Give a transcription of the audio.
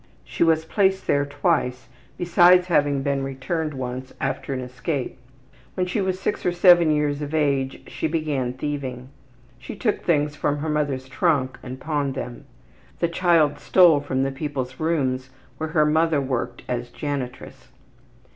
She was placed there twice, besides having been returned once after an escape. When she was 6 or 7 years of age she began thieving. She took things from her mother's trunk and pawned them. The child stole from the people's rooms where her mother worked as janitress.